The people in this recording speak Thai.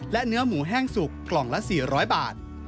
และเนื้อหมูแห้งสุกกล่องละ๔๐๐บาท